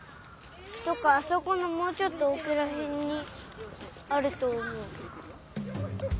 あそこのもうちょっとおくらへんにあるとおもう。